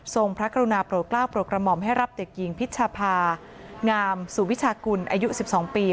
พระกรุณาโปรดกล้าวโปรดกระหม่อมให้รับเด็กหญิงพิชภางามสุวิชากุลอายุ๑๒ปี